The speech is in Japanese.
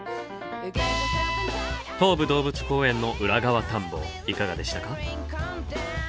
東武動物公園の裏側探訪いかがでしたか？